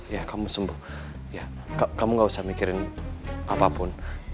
ya kamu sembuh ya kamu gak usah mikirin apapun